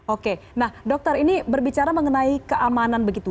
oke nah dokter ini berbicara mengenai keamanan begitu